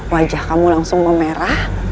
wajah kamu langsung memerah